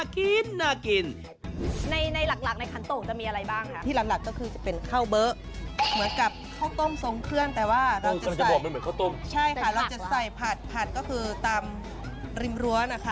ข้าวต้มทรงเครื่องแต่ว่าเราจะใส่ใช่ค่ะเราจะใส่ผัดผัดก็คือตามริมรั้วนะคะ